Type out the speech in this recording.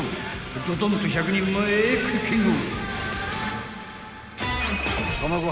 ［ドドンと１００人前クッキング］